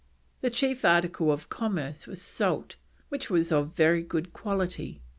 The chief article of commerce was salt, which was of very good quality.